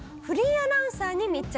フリーアナウンサー。